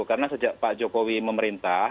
karena sejak pak jokowi memerintah